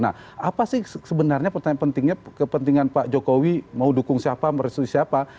nah apa sih sebenarnya pertanyaan pentingnya kepentingan pak jokowi mau dukung siapa merestui siapa